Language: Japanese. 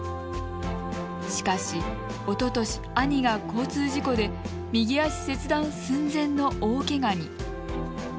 しかし、おととし兄が交通事故で右足切断寸前の大けがに。